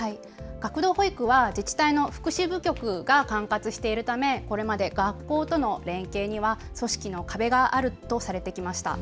学童保育は自治体の福祉部局が管轄しているためこれまで学校との連携には組織の壁があるとされてきました。